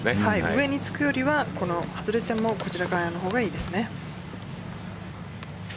上につくよりは外れてもこちらからのほうがいいですね。